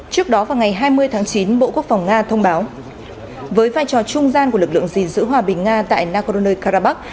trước đó vào ngày hai mươi tháng chín bộ quốc phòng nga thông báo với vai trò trung gian của lực lượng gìn giữ hòa bình nga tại nagorno karabakh